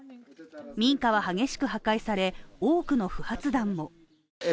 民家は激しく破壊され多くの不発弾も。